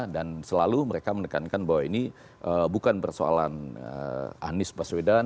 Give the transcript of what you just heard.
dan selalu mereka menekankan bahwa ini bukan persoalan anies baswedan